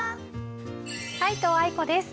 皆藤愛子です。